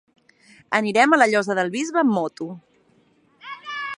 Anirem a la Llosa del Bisbe amb moto.